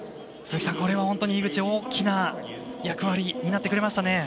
これは大きな役割を担ってくれました。